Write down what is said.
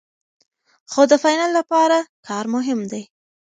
خو د فاینل لپاره کار مهم دی.